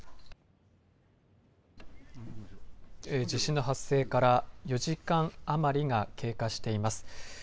地震の発生から４時間余りが経過しています。